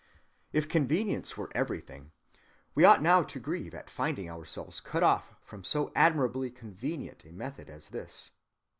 If convenience were everything, we ought now to grieve at finding ourselves cut off from so admirably convenient a method as this.